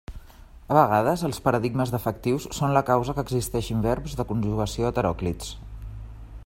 A vegades els paradigmes defectius són la causa que existeixin verbs de conjugació heteròclits.